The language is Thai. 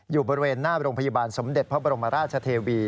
อยู่บริเวณหน้าโรงพยาบาลสมเด็จพระบรมราชเทวี